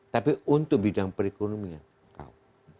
tapi untuk bidang perekonomian kau